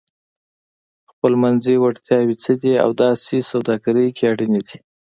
خپلمنځي وړتیاوې څه دي او ولې سوداګري کې اړینې دي؟